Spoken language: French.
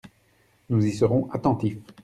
Nous y serons attentifs.